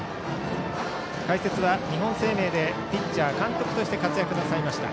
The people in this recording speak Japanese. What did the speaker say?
解説は日本生命でピッチャー、監督として活躍なさりました。